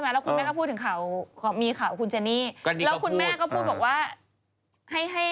ไหมถึงข่าวของคุณนิกกี้กับเจนนี่